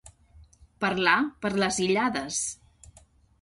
Parlar per les illades.